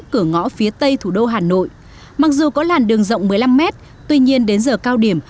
cửa ngõ phía tây thủ đô hà nội mặc dù có làn đường rộng một mươi năm mét tuy nhiên đến giờ cao điểm